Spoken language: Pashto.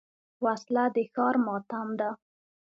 وسله د ښار ماتم ده